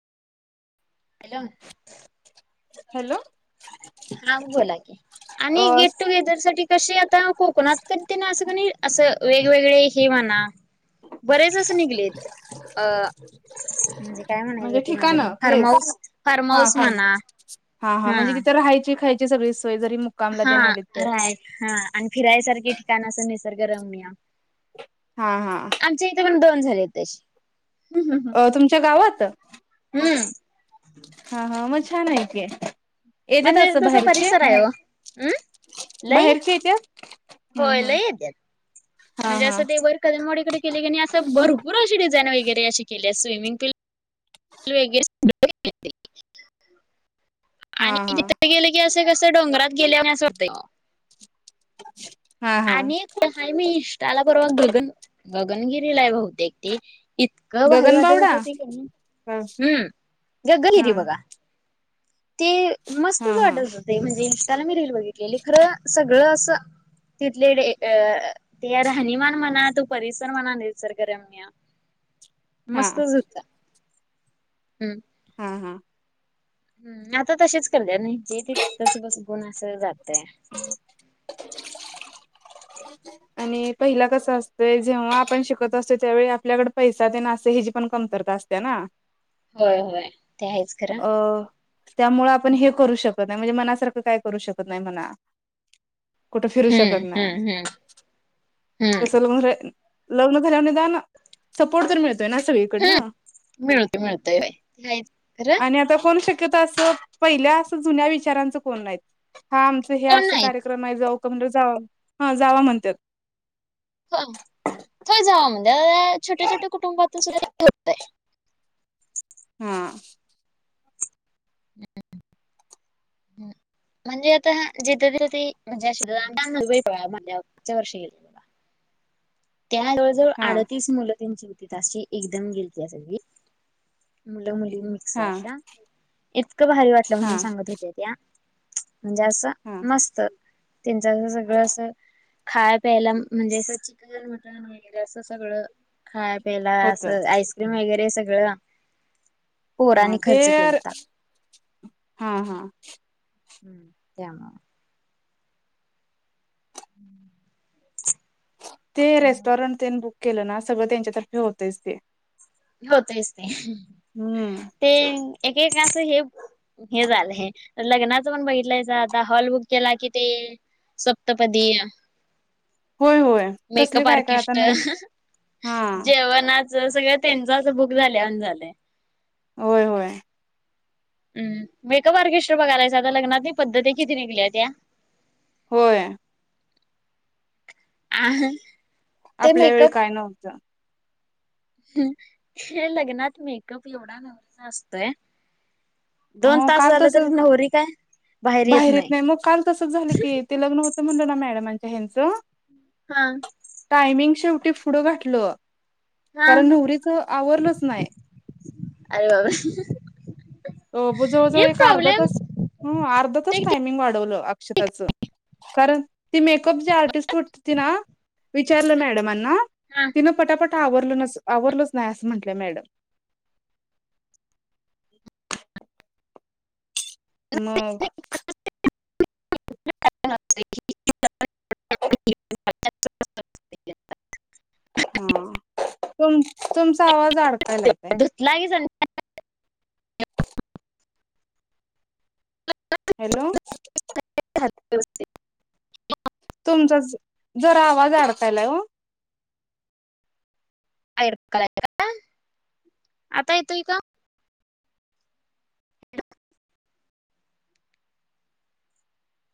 Hello, hello, हा बोला की, आणि अ गेट टुगेदर साठी. तशी आता कोकणात कणी, ते ना असं नाही असं वेगवेगळे हे म्हणा. बरेच असे निघलेत अं.. म्हणजे काय म्हणायचं, म्हणजे ते माझे ठिकाण पण प्लेस फर्माऊस फार्महाऊस म्हणा. हा हा. म्हणजे तिथं, राहायची खायची सगळी सोय जरी मग. हा राय हां. आणि फिरायसारखे ठिकाण निसर्ग रम्य. हां.. हां.. आमच्या इथे, पण दोन झालेत तशी. अं.. तुमच्या गावात हा हम्म हा.. मग छान आहे की. येत्यात म्हणजे, असं तसं बाहेरचे परिसर हाय ओ अं.. लै. बाहेरचे येत्यात होय हम्म हम्म लै येत्यात, हा म्हणजे हा असं ते वर. कदमवाडीकडे केले कणी असं, भरूर अशी डिझाईन वगैरे अशी केली स्विमिंग पूल. [unintelligible] हा आणि हा तिथे गेले की असं कसं डोंगरात गेलोय ना असं वाटतय. हा हा. आणि हाय मी इष्टाला परवा गगन गगनगिरीला आहे बहुतेक ते. इतकं भारी वाटत गगनबावडा होत होती क नी. हा हम्म जग हा गलरी बघा. ते हा मस्तंच हा वाटत होते म्हणजे, इंस्टाला मी रील बघितलेली खरं सगळं असं. तिथले डे अ.. ते राहणीमान म्हणा, तो परिसर म्हना निसर्गरम्य. हा मस्तंच होत. हम... हा हा. हम्. आता तसेच करले नाही, जे ते तस बस गुणा असं जातंय. [inaudible] आणि पहिला कसं असतोय जेव्हा आपण शिकत असतो त्यावेळी आपल्याकड पैसा तेन असं हेची, पण कमतरता असते ना. होय होय. ते आहेच खरं. अ त्यामुळें आपण हम्म हे करू शकत नाही म्हणजे मनासारखं काय करू शकत नाही म्हणा. कुठे फिरू शकत हम्म नाही, हम्म हम्म तस [unintelligible] लग्न खऱ्याने जानं सपोर्ट तर मिळतोय ना सगळीकडना. मिळतो मिळतय व्हय. [unintelligible] नी आता कोण शक्यता असं पहिल्या असं जुन्या विचारांचं कोण नाहीत. हा आमचं हे कोण अस नाहीत कार्यक्रम आहे, जाऊ का म्हणल जा ह जावा म्हणतात. ह थोय जाव म्हणजे, छोट्या छोट्या कुटुंबातून सुद्धा होतंय. हा.. [unintelligible] म्हणजे आता हा जिथं तिथं ती म्हणजे [unintelligible] च्या वर्षील. त्या जवळ-जवळ हा अडतीस मुलं त्यांची होती ताशी एकदम गेलत्या सगळी मुलं मुलीं हा साशा इतकं भारी वाटलं हा म्हणून सांगत होत्या त्या. म्हणजे असं हा मस्त. त्यांचकडे सगळं असं खाय प्यायला म्हणजे असं चिकन, मटण वगैरे असं सगळं, खाय प्याला होत असं आईस्क्रीम वगैरे सगळं. पोरांनी हां.. खर्च तेर केलता हा हा. हम्म त्या हम् ते रेस्टॉरंटतेन बुक केलं ना सगळं त्यांच्यातर्फे होतच ते. होतच ते हम्म ते एक-एक असं हे हे झालं लग्नाचं पण बघितलायसा, आता हॉल बुक केला कि ते. सप्तपदी. होय होय कसली मेकअप काय काय आता आर्टिस्ट नाही हा जेवणाच. ज सगळं त्यांच, बुक झाल्या वनीं झालंय. होय होय. उम्म मेकअप आर्केस्टर बघालायच आता लग्नातली पद्धतीत किती निघल्या त्या. होय. आ.. आपल्या वेळी काय नव्हतं. हे लग्नात मेकअप एवढा [inaudible] असतोय. दोन हो तास काल झालं तस तरी, नवरी काय बाहेर येत नाही. मग काल तसंच झालं की ते लग्न होतं म्हणलं ना मॅडमांच्या ह्यांचं. हा. टायमिंग शेवटी पुढं घातलं हा कारण नवरीच आवरलंच नाही. अरे बाबा. हे जवळजवळ एक अर्धा प्रॉब्लेम तास ह अर्धा तास टायमिंग वाढवलं अक्षताचं. कारण ती मेकअप जी आर्टिस्ट होती ती ना विचारलं मॅडमनी. तिनं पटापट आवरलं आवरलंच नाही असं म्हटलं मॅडम. मग. [inaudible] हा तुम तुमचा आवाज अडकायला काय. लागे [unintelligible] हॅलो. [inaudible] तुमचा जरा आवाज अडकालय वो. [unintelligible] का आता येतोय का?